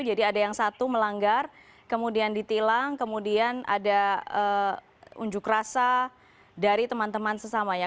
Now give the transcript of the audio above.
jadi ada yang satu melanggar kemudian ditilang kemudian ada unjuk rasa dari teman teman sesamanya